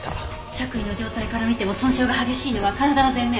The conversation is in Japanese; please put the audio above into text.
着衣の状態から見ても損傷が激しいのは体の前面。